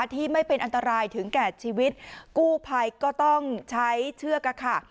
ที่ไม่เป็นอันตรายถึงแก่ชีวิตกู้ภัยก็ต้องใช้เชือกอะค่ะ